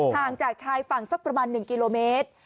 ห่างจากชายฝั่งสักประมาณ๑กิโลเมตร